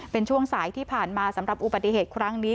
เป็นช่วงสายที่ผ่านมาสำหรับอุบัติเหตุครั้งนี้